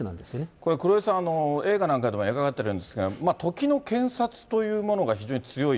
これ黒井さん、映画なんかでも描かれてるんですが、時の検察というものが非常に強い。